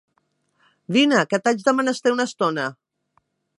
Vine, que t'haig de menester una estona!